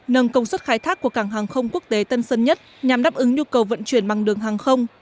nâng công suất khai thác của cảng hàng không quốc tế tân sơn nhất nhằm đáp ứng nhu cầu vận chuyển bằng đường hàng không